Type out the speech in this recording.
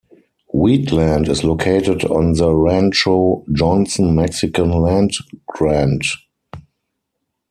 Wheatland is located on the Rancho Johnson Mexican land grant.